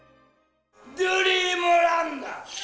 ドリームランド！